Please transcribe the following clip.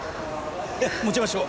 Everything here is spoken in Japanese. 持ちましょう。